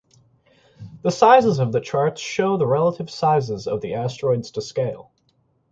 The sizes of the charts show the relative sizes of the asteroids to scale.